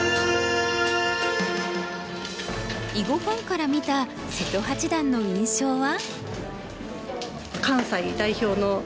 囲碁ファンから見た瀬戸八段の印象は？